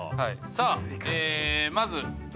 さぁまず。